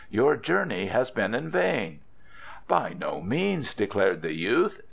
Your journey has been in vain!" "By no means!" declared the youth.